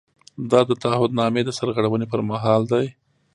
دا د تعهد نامې د سرغړونې پر مهال دی.